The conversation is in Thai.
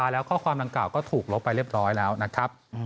แล้วข้อความดังกล่าวก็ถูกลบไปเรียบร้อยแล้วนะครับ